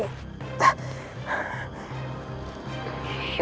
ya allah aku belum saat bisa